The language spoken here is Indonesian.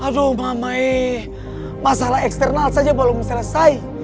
aduh mama ee masalah eksternal saja belum selesai